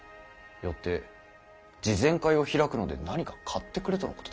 よって慈善会を開くので何か買ってくれ」とのことだった。